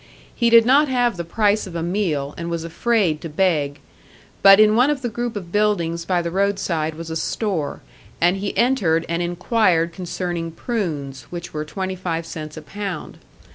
He did not have the price of a meal, and was afraid to beg; but in one of the group of buildings by the roadside was a store, and he entered and inquired concerning prunes, which were twenty five cents a pound.